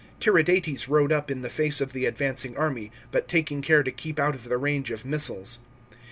Tiridates rode up in the face of the advancing army, but taking care to keep out of the range of missiles.